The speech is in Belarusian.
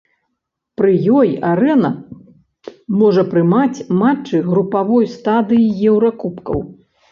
Пры ёй арэна можа прымаць матчы групавой стадыі еўракубкаў.